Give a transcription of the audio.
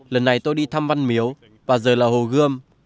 lần này tôi đi thăm văn miếu và giờ là hồ gươm